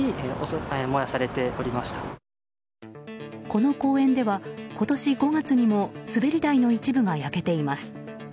この公園では今年５月にも滑り台の一部が焼けています。